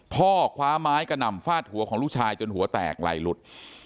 พ่อคว้าไม้กระหน่ำฟาดหัวของลูกชายจนหัวแตกไหลหลุด